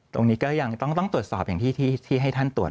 ตรงนี้ก็ยังต้องตรวจสอบอย่างที่ให้ท่านตรวจ